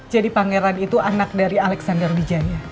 jadi pangeran itu anak dari alexander bijaya